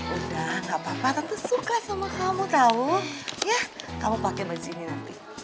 udah gak apa apa tentu suka sama kamu tahu ya kamu pakai baju ini nanti